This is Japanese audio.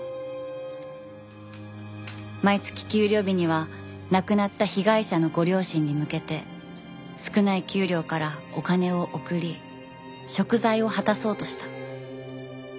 毎月給料日には亡くなった被害者のご両親に向けて少ない給料からお金を送り贖罪を果たそうとした。